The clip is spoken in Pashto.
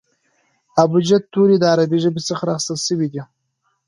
ابجد توري د عربي ژبي څخه را اخستل سوي دي.